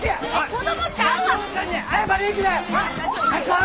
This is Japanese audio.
子供ちゃうわ！